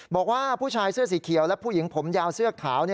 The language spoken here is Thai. บอกว่าผู้ชายเสื้อสีเขียวและผู้หญิงผมยาวเสื้อขาว